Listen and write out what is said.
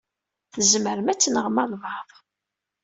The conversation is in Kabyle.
Tzemrem ad tenɣem albaɛḍ.